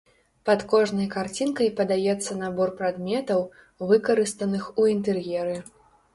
Пад кожнай карцінкай падаецца набор прадметаў, выкарыстаных у інтэр'еры.